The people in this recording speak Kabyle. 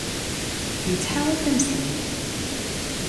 Yettḥawal tameslayt.